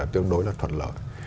tương đối là thuận lợi